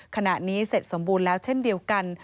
ขณะนี้เสร็จสมบูรณ์แล้วเช่นเดียวกัน